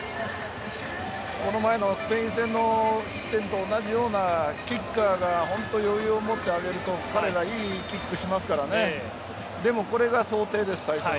この前のスペイン戦の失点と同じようなキッカーが余裕を持って上げると彼はいいキックしますからでも、これが想定です、最初の。